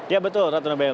ya betul ratu nabila